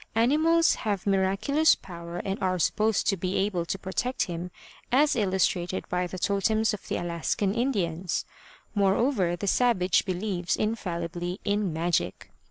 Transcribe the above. Animals have miraculous power and are supposed to be able to protect him as illustrated by the totems of the Alaskan Indians. Moreover, the savage believes infallibly in magic.